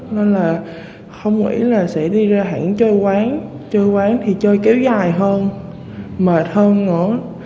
nên là không nghĩ là sẽ đi ra hẳn chơi quán chơi quán thì chơi kéo dài hơn mệt hơn nữa